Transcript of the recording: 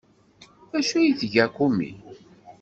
D acu ay d-tga Kumi?